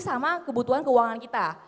sama kebutuhan keuangan kita